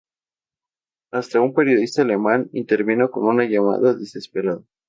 Hasta un periodista alemán intervino con una llamada desesperada.